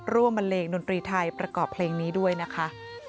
บันเลงดนตรีไทยประกอบเพลงนี้ด้วยนะคะ